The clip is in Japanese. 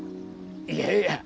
いやいや。